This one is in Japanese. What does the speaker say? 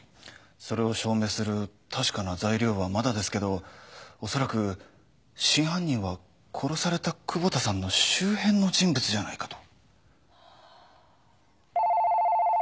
それを証明する確かな材料はまだですけどおそらく真犯人は殺された窪田さんの周辺の人物じゃないかと。